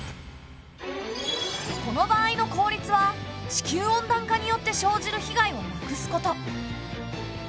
この場合の効率は地球温暖化によって生じる被害をなくすこと。